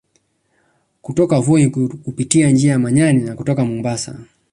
Kutoka Voi kupitia njia ya Manyani na kutoka Mombasa